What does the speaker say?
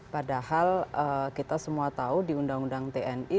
padahal kita semua tahu di undang undang tni